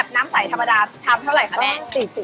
น้ำไส้ธรรมดาทำเท่าไรแม่